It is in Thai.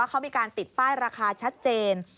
เขามีการติดป้ายราคาชัดเจน